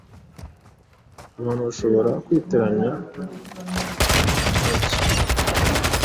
abantu bashobora kwitiranya nabyo